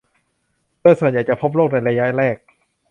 โดยส่วนใหญ่จะพบโรคในระยะแรก